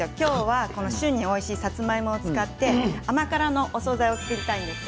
旬のおいしいさつまいもを使って甘辛なお総菜を作ります。